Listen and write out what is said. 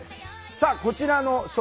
さあこちらの小説